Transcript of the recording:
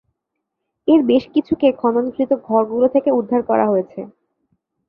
এর বেশ কিছুকে খননকৃত ঘর গুলো থেকে উদ্ধার করা হয়েছে।